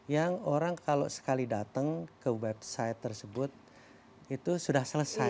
yang orang kalau sekali datang ke website tersebut itu sudah selesai